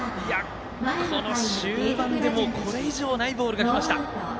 この終盤でこれ以上ないボールがきました。